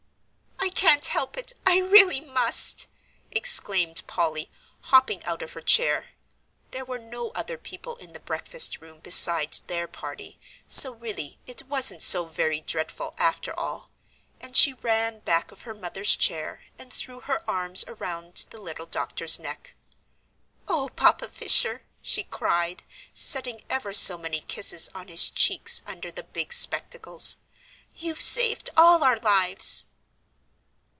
"I can't help it! I really must!" exclaimed Polly, hopping out of her chair, there were no other people in the breakfast room beside their party, so really it wasn't so very dreadful after all, and she ran back of her mother's chair, and threw her arms around the little doctor's neck. "Oh, Papa Fisher," she cried, setting ever so many kisses on his cheeks under the big spectacles, "you've saved all our lives."